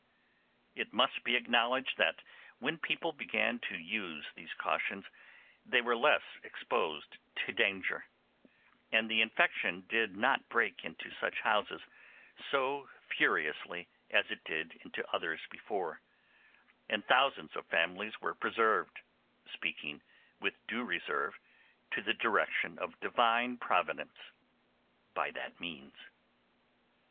It must be acknowledged that when people began to use these cautions they were less exposed to danger, and the infection did not break into such houses so furiously as it did into others before; and thousands of families were preserved (speaking with due reserve to the direction of Divine Providence) by that means.